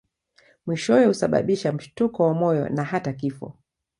Mwishowe husababisha mshtuko wa moyo na hata kifo.